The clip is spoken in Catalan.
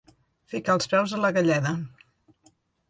Ficar els peus a la galleda.